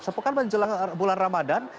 sepukai menjelang bulan ramadhan